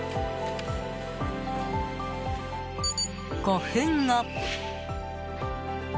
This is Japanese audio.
５分後。